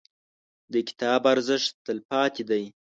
• د کتاب ارزښت، تلپاتې دی.